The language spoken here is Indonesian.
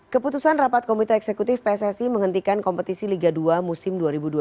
keputusan rapat komite eksekutif pssi menghentikan kompetisi liga dua musim dua ribu dua puluh dua dua ribu dua puluh tiga